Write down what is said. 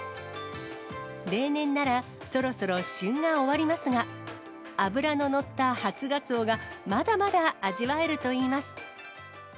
例年なら、そろそろ旬が終わりますが、脂の乗った初ガツオが、まだまだ味わえるといいます。